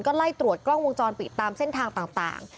ก็ไล่ตรวจกล้องวงจรปิดตามเส้นทางต่าง